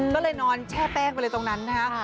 ก็เลยนอนแช่แป้งไปเลยตรงนั้นนะคะ